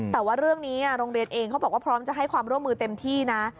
แต่ว่าเรื่องนี้โรงเรียนเองเขาบอกว่าพร้อมจะให้ความร่วมมือเต็มที่นะ